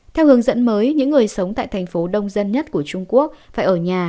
theo hướng dẫn mới những người sống tại thành phố đông dân nhất của trung quốc phải ở nhà